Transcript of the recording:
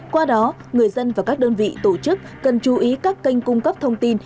qua đó người dân và các đơn vị tổ chức cần chú ý các kênh cung cấp thông tin